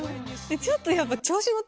ちょっとやっぱ。